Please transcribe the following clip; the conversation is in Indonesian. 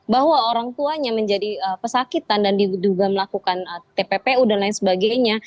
bahwa orang tuanya menjadi pesakitan dan diduga melakukan tppu dan lain sebagainya